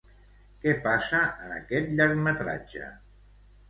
Què passa en aquest llargmetratge?